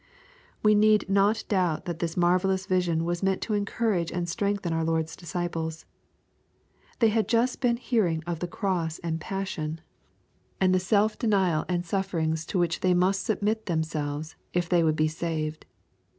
We need not doubt that this marvellous vision was meant to encourage and strengthen our Lord's disciples. They had just been hearing of the cross and passion, and LUKE, CHAP. IX. 815 the self denM^and Sttflferings to which they must submit themselves, if they would be saved.